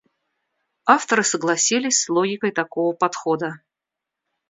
Авторы согласились с логикой такого подхода.